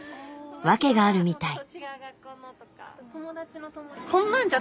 訳があるみたい。